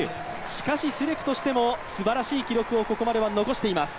しかし、スレクとしてもすばらしい記録をここで残しております。